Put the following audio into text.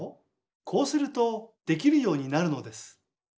こうするとできるようになるのです。